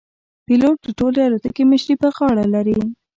پیلوټ د ټولې الوتکې مشري پر غاړه لري.